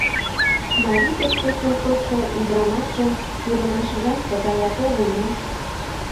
Марий деч посна кодшо ӱдырамашын пӱрымашыжат тыгаяк огыл мо?